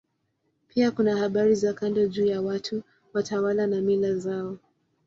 Pia kuna habari za kando juu ya watu, watawala na mila zao.